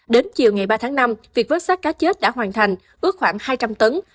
đến chiều ngày ba tháng năm việc vớt sát cá chết đã hoàn thành ước khoảng hai trăm linh tấn